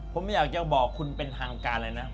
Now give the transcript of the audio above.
ผมอยากจะบอกคุณเป็นทางการเลยนะ